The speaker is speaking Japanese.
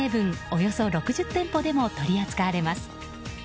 およそ６０店舗でも取り扱われます。